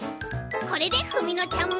これでふみのちゃんも。